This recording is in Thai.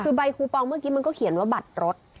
คือใบคูปองเมื่อกี้มันก็เขียนว่าบัตรรถ